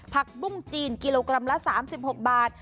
ผักบุ้งจีนกิโลกรัมละ๓๖บาท